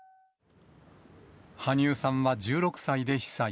羽生さんは１６歳で被災。